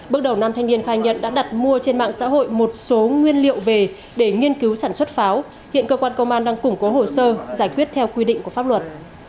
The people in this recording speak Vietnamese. bước đầu nam thanh niên khai nhận đã đặt mua trên mạng xã hội một số nguyên liệu về để nghiên cứu sản xuất pháo hiện cơ quan công an đang củng cố hồ sơ giải quyết theo quy định của pháp luật